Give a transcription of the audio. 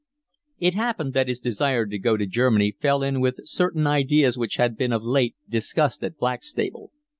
It happened that his desire to go to Germany fell in with certain ideas which had been of late discussed at Blackstable.